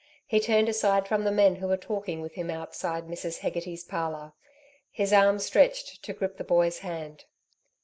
He turned aside from the men who were talking with him outside Mrs. Hegarty's parlour. His arm stretched to grip the boy's hand.